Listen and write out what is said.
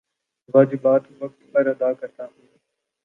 واجبات وقت پر ادا کرتا ہوں